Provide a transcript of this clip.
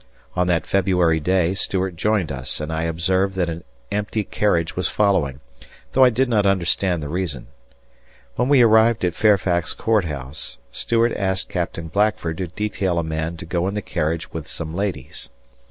On that February day Stuart joined us, and I observed that an empty carriage was following, although I did not understand the reason. When we arrived at Fairfax Court House, Stuart asked Captain Blackford to detail a man to go in the carriage with some ladies.